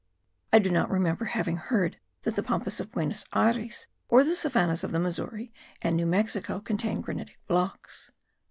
I do not remember having heard that the Pampas of Buenos Ayres or the savannahs of the Missouri* and New Mexico contain granitic blocks.